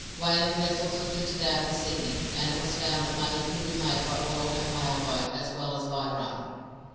Whaling vessels were fitted out in Sydney, and it was found that money could be made by oil and whalebone as well as by rum.